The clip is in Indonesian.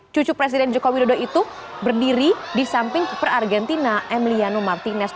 cucu presiden joko widodo itu berdiri di samping keeper argentina emiliano martinez